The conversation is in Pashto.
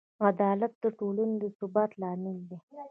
عدالت د ټولنې د ثبات لامل دی.